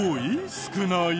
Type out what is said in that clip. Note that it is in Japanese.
少ない？